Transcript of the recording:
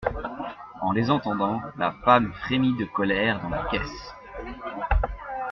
En les entendant, la femme frémit de colère dans la caisse.